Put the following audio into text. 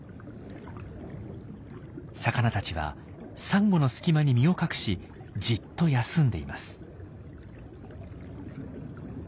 魚たちはサンゴの隙間に身を隠しじっと休んでいます。